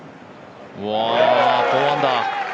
４アンダー。